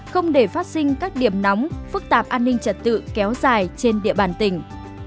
không để phát sinh các điểm nóng phức tạp an ninh trật tự kéo dài trên địa bàn tỉnh